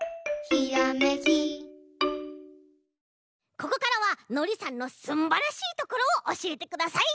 ここからはのりさんのすんばらしいところをおしえてください。